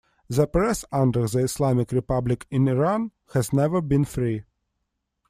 The press under the Islamic Republic in Iran has never been free.